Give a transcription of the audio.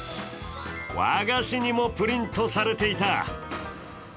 和菓子にもプリントされていた。